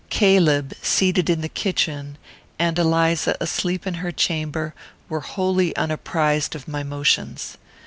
Caleb, seated in the kitchen, and Eliza, asleep in her chamber, were wholly unapprized of my motions.